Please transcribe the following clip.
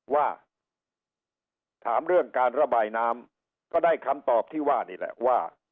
ว่าถามเรื่องการระบายน้ำก็ได้คำตอบที่ว่านี่แหละว่า